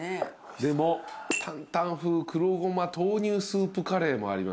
でも担々風黒ごま豆乳スープカレーもあります。